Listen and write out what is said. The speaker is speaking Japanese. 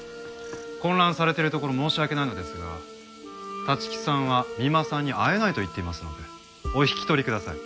混乱されてるところ申し訳ないのですが立木さんは三馬さんに会えないと言っていますのでお引き取りください。